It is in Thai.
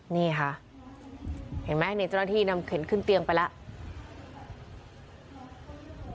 นี่ค่ะเห็นไหมนี่เจ้าหน้าที่นำเข็นขึ้นเตียงไปแล้ว